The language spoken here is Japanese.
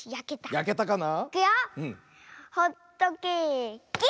やけたかな。